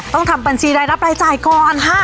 ต้องทำบัญชีรายรับรายจ่ายก่อน